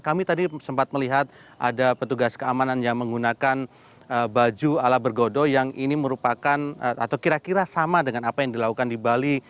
kami tadi sempat melihat ada petugas keamanan yang menggunakan baju ala bergodo yang ini merupakan atau kira kira sama dengan apa yang dilakukan di bali